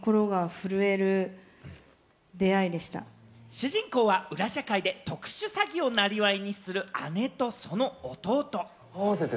主人公は、裏社会で特殊詐欺をなりわいにする姉とその弟。